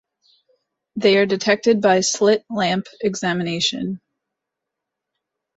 They are detected by slit lamp examination.